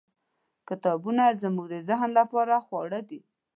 . کتابونه زموږ د ذهن لپاره خواړه دي.